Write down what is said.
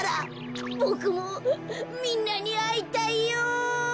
ボクもみんなにあいたいよ。